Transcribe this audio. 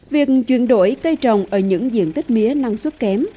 việc chuyển đổi cây trồng ở những diện tích mía năng suất kém